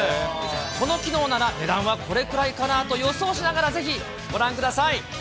この機能なら値段はこれくらいかなと予想しながらぜひご覧ください。